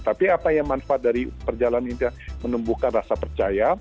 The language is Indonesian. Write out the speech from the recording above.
tapi apa yang manfaat dari perjalanan ini menumbuhkan rasa percaya